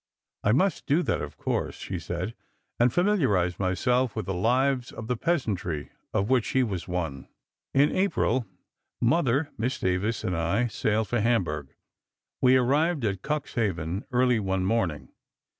"I must do that, of course," she said, "and familiarize myself with the lives of the peasantry of which she was one." "In April, Mother, Miss Davies and I sailed for Hamburg. We arrived at Cuxhaven early one morning.